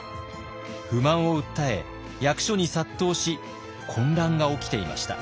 不満を訴え役所に殺到し混乱が起きていました。